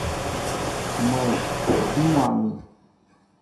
Mwɛy ń wa mi.